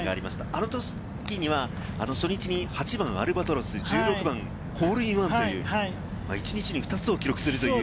あのときには初日に８番アルバトロス、１６番ホールインワンという、一日に２つを記録するという。